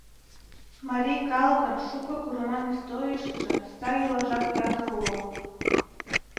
Марий калыкын шуко курыман историйыштыже сай йӱлажат ятыр уло.